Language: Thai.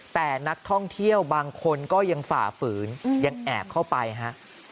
แต่นักท่องเที่ยวบางคนก็ยังฝ่าฝืนยังแอบเข้าไปฮะ